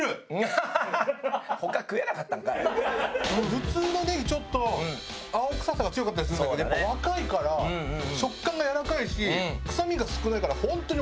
普通のねぎちょっと青臭さが強かったりするんだけどやっぱり若いから食感がやわらかいし臭みが少ないから本当においしい。